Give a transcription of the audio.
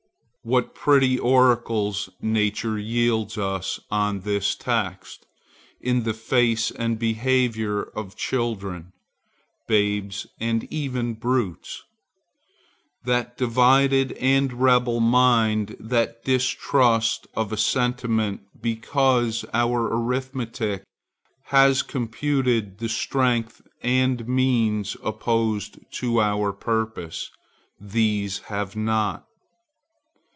What pretty oracles nature yields us on this text in the face and behavior of children, babes, and even brutes! That divided and rebel mind, that distrust of a sentiment because our arithmetic has computed the strength and means opposed to our purpose, these have not.